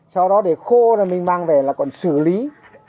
sau đó để khô rồi mình mang về là còn xử lý